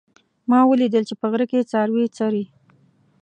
ما ولیدل چې په غره کې څاروي څري